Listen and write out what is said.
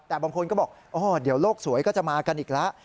แต่บางคนก็บอกเดี๋ยวโลกสวยก็จะมากันอีกแล้ว